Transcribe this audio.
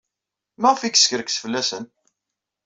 Maɣef ay yeskerkes fell-asen?